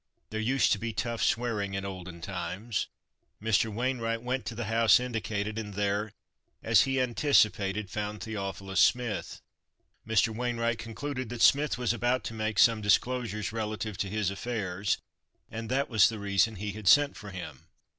There used to be tough swearing in olden times. Mr. Wainwright went to the house indicated and there, as he anticipated, found Theophilus Smith. Mr. Wainwright concluded that Smith was about to make some disclosures relative to his affairs and that was the reason he had sent for him.